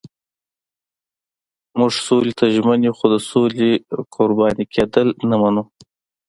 موږ سولې ته ژمن یو خو د سولې قربان کېدل نه منو.